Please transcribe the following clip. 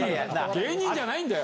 芸人じゃないんだよ？